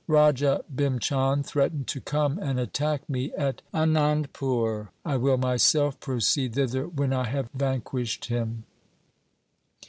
Raja Bhim Chand threatened to come and attack me at Anandpur. I will myself proceed thither when I have vanquished him.'